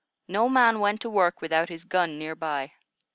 No man went to work without his gun near by.